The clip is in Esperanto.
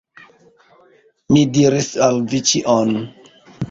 Mi diris al vi ĉion.